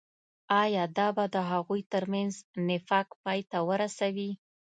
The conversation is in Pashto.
آيا دا به د هغوي تر منځ نفاق پاي ته ورسوي.